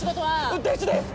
運転手です！